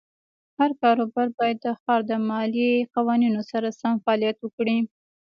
هر کاروبار باید د ښار د مالیې قوانینو سره سم فعالیت وکړي.